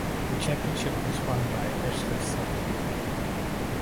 The Championship was won by Ashley Sutton.